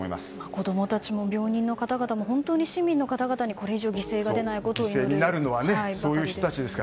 子供たちも病人の方々も本当に市民の方々にこれ以上犠牲が出ないことを祈るばかりです。